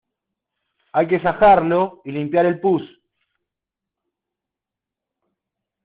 hay que sajarlo y limpiar el pus.